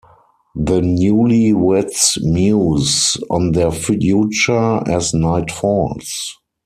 The newlyweds muse on their future as night falls.